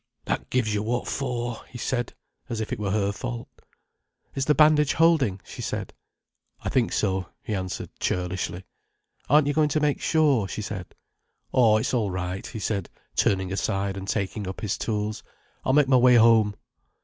"That gives you what for," he said, as if it were her fault. "Is the bandage holding?" she said. "I think so," he answered churlishly. "Aren't you going to make sure?" she said. "Oh, it's all right," he said, turning aside and taking up his tools. "I'll make my way home."